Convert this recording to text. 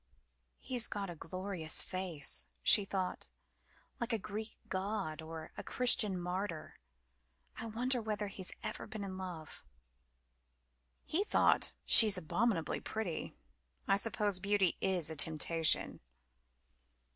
"He's got a glorious face," she thought. "Like a Greek god or a Christian martyr! I wonder whether he's ever been in love?" He thought: "She is abominably pretty. I suppose beauty is a temptation."